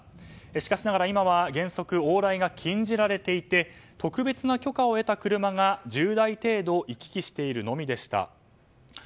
しかしながら、今は原則、往来が禁じられていて特別な許可を得た車が１０台程度行き来しているのみでした。